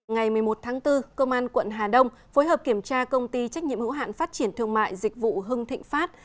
ngày một mươi một tháng bốn công an quận hà đông phối hợp kiểm tra công ty trách nhiệm hữu hạn phát triển thương mại dịch vụ hưng thịnh phát